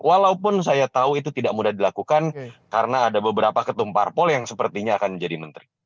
walaupun saya tahu itu tidak mudah dilakukan karena ada beberapa ketum parpol yang sepertinya akan menjadi menteri